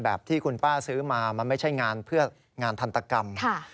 ที่คุณป้าซื้อมามันไม่ใช่งานเพื่องานทันตกรรม